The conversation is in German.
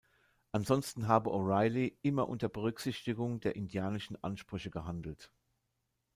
Ansonsten habe O’Reilly immer unter Berücksichtigung der indianischen Ansprüche gehandelt.